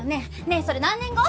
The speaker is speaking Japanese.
ねえそれ何年後？